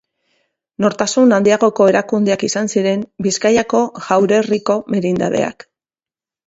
Nortasun handiagoko erakundeak izan ziren Bizkaiko jaurerriko merindadeak.